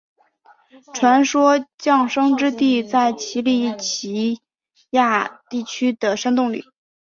传说降生之地在奇里乞亚地区的山洞里。